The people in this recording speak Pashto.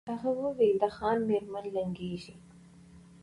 هغه وویل د خان مېرمن لنګیږي